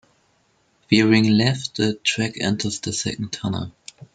Veering left, the track enters the second tunnel.